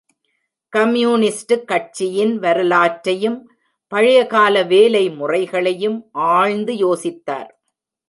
Communist கட்சியின் வரலாற்றையும், பழையகால வேலை முறைகளையும் ஆழ்ந்து யோசித்தார்.